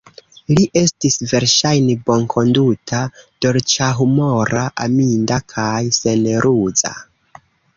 Li estis verŝajne bonkonduta, dolĉahumora, aminda kaj senruza.